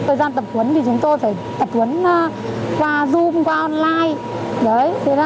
thời gian tập huấn thì chúng tôi phải tập huấn qua zoom qua online